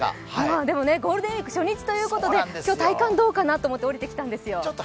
でも、ゴールデンウイーク初日ということで、今日体感どうかなと思ってきたんですよ。